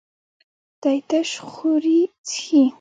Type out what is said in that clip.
دی تش خوري څښي.